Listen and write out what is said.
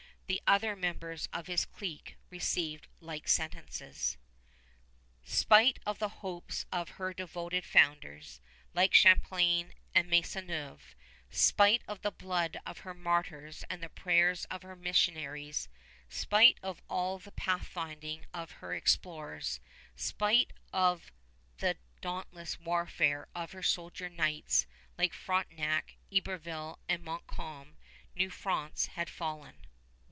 The other members of his clique received like sentences. Spite of the hopes of her devoted founders, like Champlain and Maisonneuve, spite of the blood of her martyrs and the prayers of her missionaries, spite of all the pathfinding of her explorers, spite of the dauntless warfare of her soldier knights, like Frontenac and Iberville and Montcalm, New France had fallen.